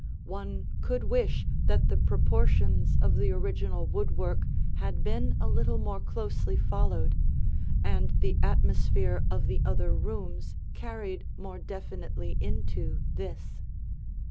One could wish that the proportions of the original woodwork had been a little more closely followed, and the atmosphere of the other rooms carried more definitely into this.